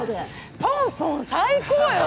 ポンポン、最高よ。